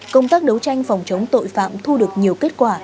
công tác đấu tranh phòng chống tội phạm thu được nhiều kết quả